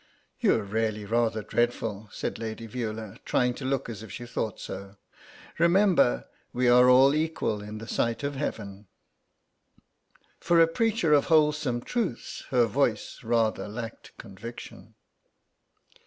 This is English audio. "You're really rather dreadful," said Lady Veula, trying to look as if she thought so; "remember, we are all equal in the sight of Heaven." For a preacher of wholesome truths her voice rather lacked conviction.